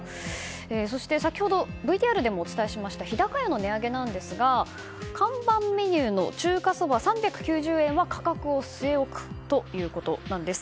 そして、先ほどＶＴＲでもお伝えしました日高屋の値上げなんですが看板メニューの中華そば、３９０円は価格を据え置くということです。